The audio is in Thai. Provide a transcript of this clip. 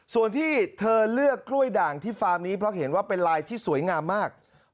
ส่วนที่เธอเลือกกล้วยด่างที่ฟาร์มนี้เพราะเห็นว่าเป็นลายที่สวยงามมาก